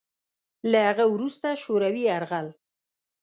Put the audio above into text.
له هغه وروسته شوروي یرغل